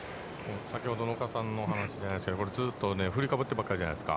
先ほどの岡田さんの話じゃないですけど振りかぶってばっかりじゃないですか。